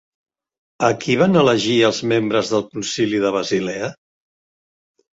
A qui van elegir els membres del Concili de Basilea?